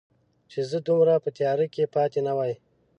چې زه دومره په تیاره کې پاتې نه وای